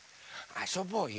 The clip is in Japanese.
あそぼうよ！